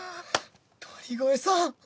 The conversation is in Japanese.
鳥越さん！